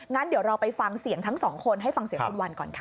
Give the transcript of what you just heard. งั้นเดี๋ยวเราไปฟังเสียงทั้งสองคนให้ฟังเสียงคุณวันก่อนค่ะ